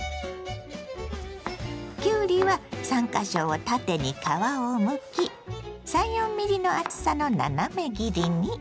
きゅうりは３か所を縦に皮をむき３４ｍｍの厚さの斜め切りに。